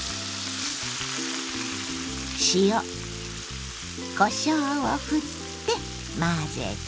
塩こしょうをふって混ぜて。